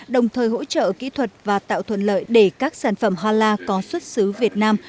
đồng thời hỗ trợ kỹ thuật và tạo thuận lợi để các sản phẩm hala có xuất xứ việt nam